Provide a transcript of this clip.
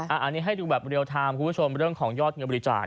อันนี้ให้ดูแบบเรียลไทม์คุณผู้ชมเรื่องของยอดเงินบริจาค